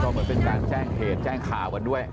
เหมือนเป็นการแจ้งเหตุแจ้งข่าวกันด้วย